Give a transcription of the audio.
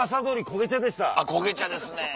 こげ茶ですね。